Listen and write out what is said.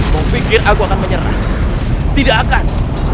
mau pikir aku akan menyerah tidak akan